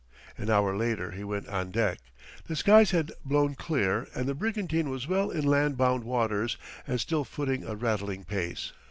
An hour later he went on deck. The skies had blown clear and the brigantine was well in land bound waters and still footing a rattling pace.